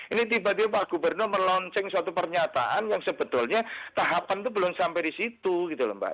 ini tiba tiba pak gubernur melonceng suatu pernyataan yang sebetulnya tahapan itu belum sampai di situ gitu loh mbak